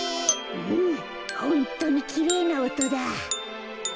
うんホントにきれいなおとだ。